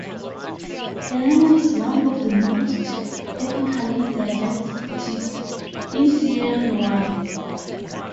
Kenema is one of the most ethnically diverse cities in Sierra Leone.